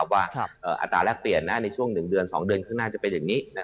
อัตราแรกเปลี่ยนในช่วง๑เดือน๒เดือนข้างหน้าจะเป็นอย่างนี้